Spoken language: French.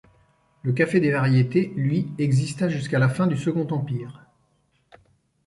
Le Café des Variétés, lui, exista jusqu’à la fin du Second Empire.